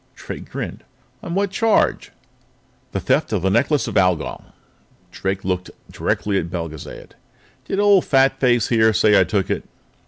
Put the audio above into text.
Drake grinned. "On what charge?" "The theft of the Necklace of Algol." Drake looked directly at Belgezad. "Did old Fatface here say I took it?"